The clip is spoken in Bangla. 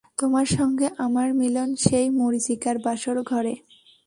তোমার সঙ্গে আমার মিলন সেই মরীচিকার বাসরঘরে।